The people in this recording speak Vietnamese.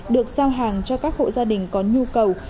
được giao hàng cho các hộ gia đình có nhu cầu